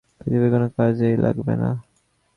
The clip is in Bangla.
পৃথিবীর কোনো কাজেই লাগব না?